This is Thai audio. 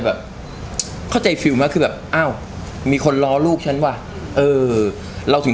แบบเข้าใจฟิลล์มากคือแบบอ้าวมีคนล้อลูกฉันว่ะเออเราถึง